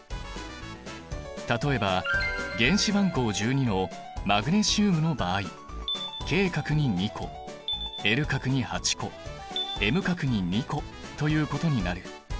例えば原子番号１２のマグネシウムの場合Ｋ殻に２個Ｌ殻に８個Ｍ殻に２個ということになる。